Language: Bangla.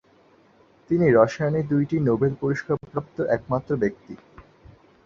তিনি রসায়নে দুইটি নোবেল পুরস্কারপ্রাপ্ত একমাত্র ব্যক্তি।